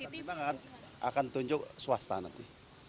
jembatan timbang akan tunjuk swasta nanti